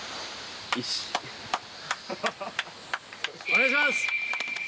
お願いします！